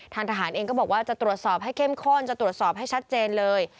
ทางทหารเองก็บอกว่าจะตรวจสอบให้เข้มข้นจะตรวจสอบให้ชัดเจนเลย